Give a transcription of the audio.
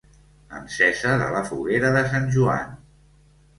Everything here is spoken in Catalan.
Encesa de la Foguera de Sant Joan.